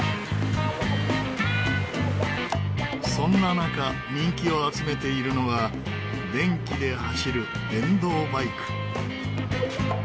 そんな中人気を集めているのが電気で走る電動バイク。